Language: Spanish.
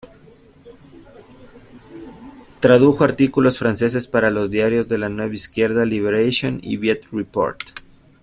Tradujo artículos franceses para los diarios de la Nueva Izquierda "Liberation" y "Viet Report".